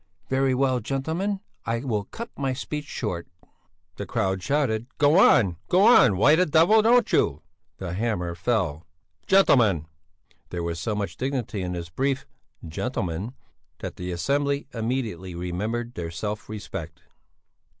"Very well, gentlemen, I will cut my speech short!" "Go on! Go on! Why the devil don't you?" The hammer fell. "Gentlemen!" There was so much dignity in this brief "Gentlemen" that the assembly immediately remembered their self respect.